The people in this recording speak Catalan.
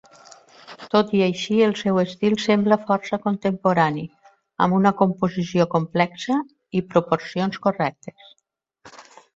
Tot i així, el seu estil sembla força contemporani, amb una composició complexa i proporcions correctes.